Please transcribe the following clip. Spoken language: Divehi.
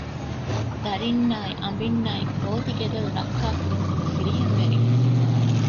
ދަރިންނާއި އަނބިންނާއި ގޯތިގެދޮރު ރައްކާ ކުރަން ތިބި ފިރިހެންވެރިން